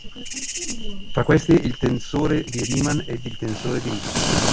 Fra questi, il tensore di Riemann ed il tensore di Ricci.